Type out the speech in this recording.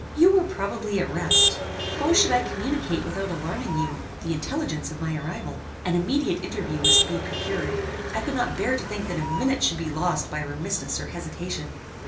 You were probably at rest. How should I communicate without alarming you, the intelligence of my arrival? An immediate interview was to be procured. I could not bear to think that a minute should be lost by remissness or hesitation.